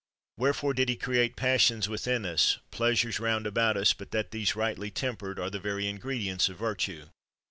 Wherefore 94 MILTON did lie create passions within us, pleasures round about us, but that these rightly tempered are the very ingredients of virtue